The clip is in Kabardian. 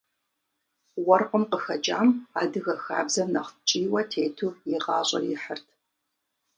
Уэркъым къыхэкӏам адыгэ хабзэм нэхъ ткӏийуэ тету и гъащӏэр ихьырт.